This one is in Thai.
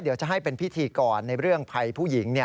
เดี๋ยวจะให้เป็นพิธีกรในเรื่องภัยผู้หญิง